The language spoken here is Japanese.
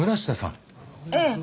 ええ。